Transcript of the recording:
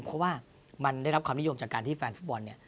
เพราะว่ามันได้รับความนิยมจากการที่แฟนฟุตบอลเนี่ย